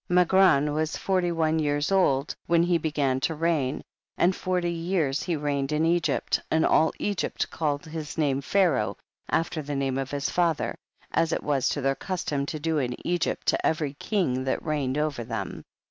4. Magron was forty one years old when he began to reign, and forty years he reigned in Egypt, and all Egypt called his name Pharaoh after the name of his father, as it was their custom to do in Egypt to every king that reigned over them.